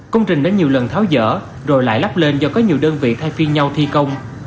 công trình đã nhiều lần tháo dở rồi lại lắp lên do có nhiều đơn vị thay phiên nhau thi công